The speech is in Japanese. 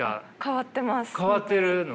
変わってるの。